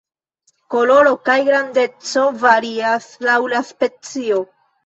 Koloro kaj grandeco varias laŭ la specio.